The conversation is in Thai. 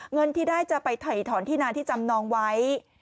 เงินที่ได้จะไปถ่ายถอนที่นานที่จำนองไว้